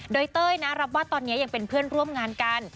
โดยเต้ยนะรับว่าตอนนี้ยังเป็นเพื่อนร่วมงานกัน